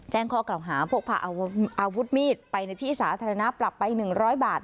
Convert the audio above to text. แจ้งข้อกล่าวหาพวกพาอาวุธมีดไปในที่สาธารณะปรับไป๑๐๐บาท